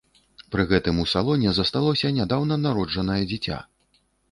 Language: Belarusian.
Пры гэтым у салоне засталося нядаўна народжанае дзіця.